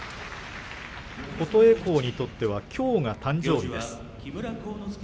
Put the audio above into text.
琴恵光にとってはきょうが誕生日。